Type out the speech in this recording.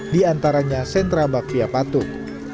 di antaranya sentra bakpia patung